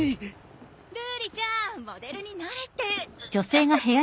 ・瑠璃ちゃんモデルになれて。